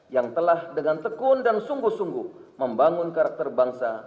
yang telah dengan tekun dan sungguh sungguh membangun karakter bangsa